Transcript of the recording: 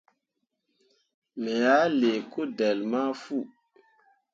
Me ah lii kudelle ma fu.